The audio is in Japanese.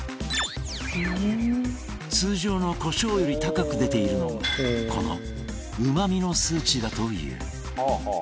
通常のコショウより高く出ているのがこのうま味の数値だという